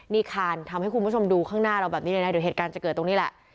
นี่คานทำให้คุณผู้ชมดูข้างหน้าเราแบบนี้เลยนะเดี๋ยวเหตุการณ์จะเกิดตรงนี้แหละ